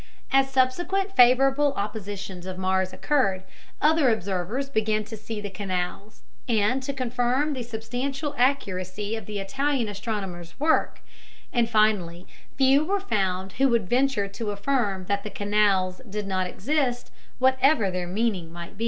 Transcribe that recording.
As subsequent favorable oppositions of Mars occurred, other observers began to see the "canals" and to confirm the substantial accuracy of the Italian astronomer's work, and finally few were found who would venture to affirm that the "canals" did not exist, whatever their meaning might be.